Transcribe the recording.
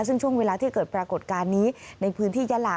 ซึ่งช่วงเวลาที่เกิดปรากฏการณ์นี้ในพื้นที่ยาลา